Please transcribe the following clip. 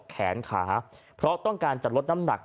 แขนขาเพราะต้องการจะลดน้ำหนัก